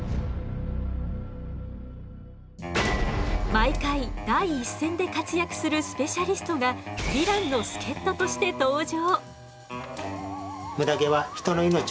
毎回第一線で活躍するスペシャリストがヴィランの助っととして登場。